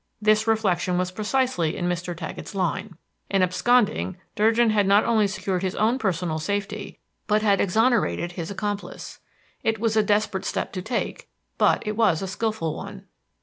This reflection was precisely in Mr. Taggett's line. In absconding Durgin had not only secured his own personal safety, but had exonerated his accomplice. It was a desperate step to take, but it was a skillful one.